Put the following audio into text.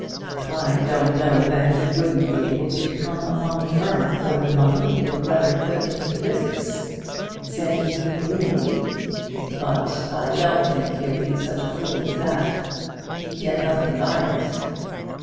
"I don't know that he wouldn't be able to come upon the firm for the money your brother put into the business," said he gloomily. "But I don't think he'll be such a fool as that. He'd get nothing by it."